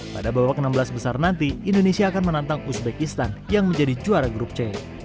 pada babak enam belas besar nanti indonesia akan menantang uzbekistan yang menjadi juara grup c